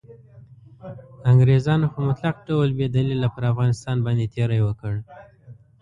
انګریزانو په مطلق ډول بې دلیله پر افغانستان باندې تیری وکړ.